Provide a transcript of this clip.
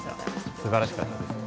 素晴らしかったです。